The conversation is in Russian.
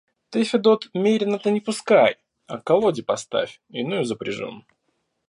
Ты, Федот, мерина-то не пускай, а к колоде поставь, иную запряжем.